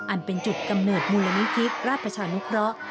อันเป็นจุดกำเนิดมูลนิธิราชประชานุเคราะห์